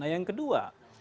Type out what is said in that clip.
nah yang kedua